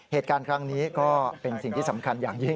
เหตุการณ์ครั้งนี้ก็เป็นสิ่งที่สำคัญอย่างยิ่ง